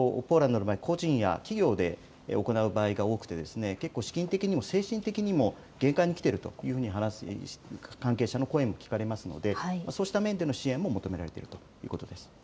ポーランドの場合個人や企業で行う場合が多くて資金的にも精神的にも限界にきてるというふうに話す関係者の声も聞かれるのでそうした面での支援も求められているということです。